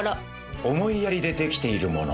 思いやりで出来ているもの。